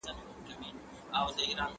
پخوانۍ تجربې د راتلونکي لپاره درسونه ورکوي.